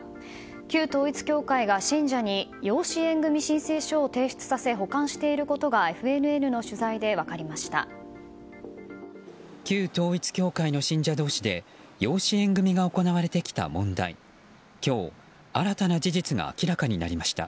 旧統一教会が信者に養子縁組申請書を提出させ保管していることがＦＮＮの取材で分かりました。